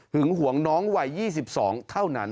ห่วงน้องวัย๒๒เท่านั้น